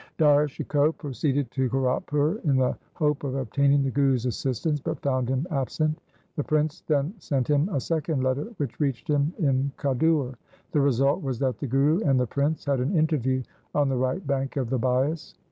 Dara Shikoh proceeded to Kiratpur in the hope of obtaining the Guru's assistance, but found him absent. The prince then sent him a second letter which reached him in Khadur. The result was that 302 THE SIKH RELIGION the Guru and the prince had an interview on the right bank of the Bias.